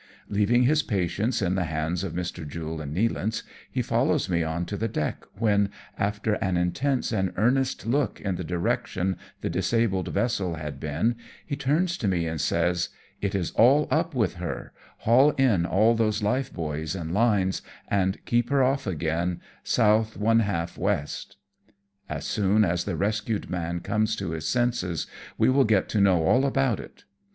Leaving his patients in the hands of Mr. Jule and Nealance, he follows me on to the deck, when, after an intense and earnest look in the direction the disabled vessel had been, he turns to me and says, " It is all up with her, haul in all those life buoys and lines, and keep her off again S. \ W. As soon as the 'rescued man comes to his senses, we will get to know all about it."